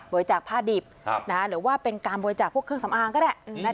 จากผ้าดิบหรือว่าเป็นการบริจาคพวกเครื่องสำอางก็ได้